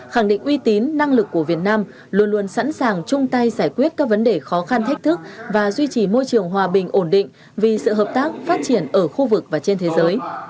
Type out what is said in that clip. khẳng định uy tín năng lực của việt nam luôn luôn sẵn sàng chung tay giải quyết các vấn đề khó khăn thách thức và duy trì môi trường hòa bình ổn định vì sự hợp tác phát triển ở khu vực và trên thế giới